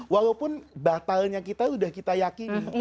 walaupun batalnya kita sudah kita yakini